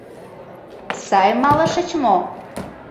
Сай малышыч мо?